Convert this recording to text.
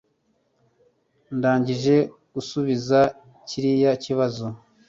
ndangije gusubiza kiriya kibazo